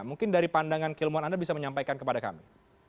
mungkin dari pandangan keilmuan anda bisa menyampaikan kepada kami